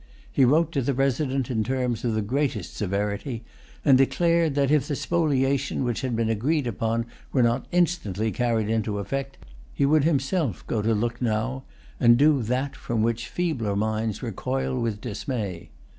He wrote to the resident in terms of the greatest severity, and declared that, if the spoliation which had been agreed upon were not instantly carried into effect, he would himself go to Lucknow, and do that from which feebler minds recoil with dismay.